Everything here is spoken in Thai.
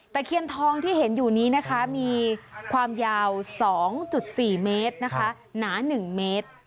เคียนทองที่เห็นอยู่นี้นะคะมีความยาว๒๔เมตรนะคะหนา๑เมตร